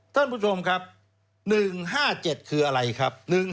ท่านผู้ชมครับ๑๕๗คืออะไรครับ